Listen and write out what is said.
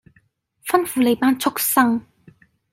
吩咐你班畜牲